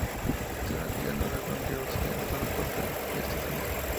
Zona de llanura con río accidentado propio de estas zonas.